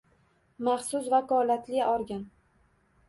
Maxsus vakolatli organ